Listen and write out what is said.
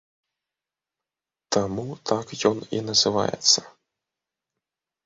Таму так ён і называецца.